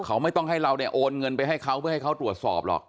เขาไม่ต้องให้เราเนี่ยโอนเงินไปให้เขาเพื่อให้เขาตรวจสอบหรอก